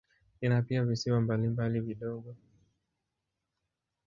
Ina pia visiwa mbalimbali vidogo.